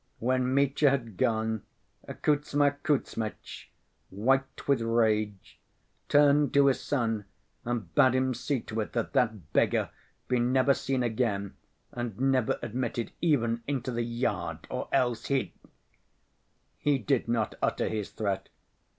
When Mitya had gone, Kuzma Kuzmitch, white with rage, turned to his son and bade him see to it that that beggar be never seen again, and never admitted even into the yard, or else he'd— He did not utter his threat.